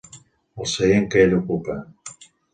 El seient que ell ocupa.